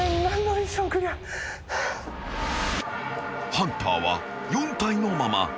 ［ハンターは４体のまま］